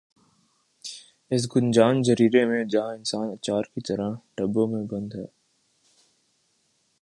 اس گنجان جزیر ے میں جہاں انسان اچار کی طرح ڈبوں میں بند ہے